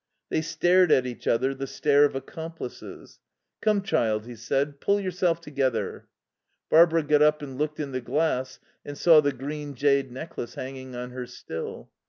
They stared at each other, the stare of accomplices. "Come, child," he said, "pull yourself together." Barbara got up and looked in the glass and saw the green jade necklace hanging on her still.